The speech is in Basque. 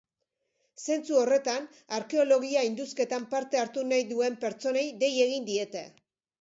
Zentzu horretan, arkeologia-indusketan parte hartu nahi duen pertsonei dei egin diete.